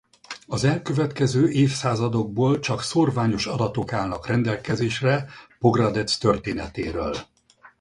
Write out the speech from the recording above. Az elkövetkező évszázadokból csak szórványos adatok állnak rendelkezésre Pogradec történetéről.